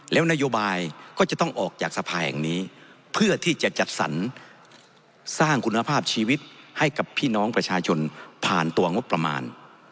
แล้วนโยบายก็จะต้องออกจากสภาแห่งนี้เพื่อที่จะจัดสรรสร้างคุณภาพชีวิตให้กับพี่น้องประชาชนผ่านตัวงบประมาณ